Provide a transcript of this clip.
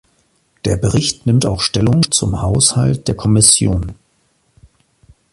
Der Bericht nimmt auch Stellung zum Haushalt der Kommission.